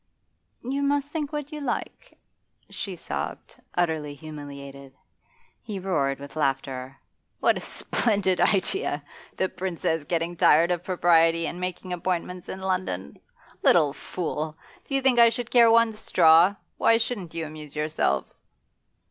'You must think what you like,' she sobbed, utterly humiliated. He roared with laughter. 'What a splendid idea! The Princess getting tired of propriety and making appointments in London! Little fool! do you think I should care one straw? Why shouldn't you amuse yourself?